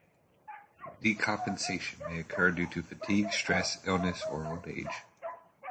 Decompensation may occur due to fatigue, stress, illness, or old age.